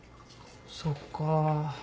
そっか。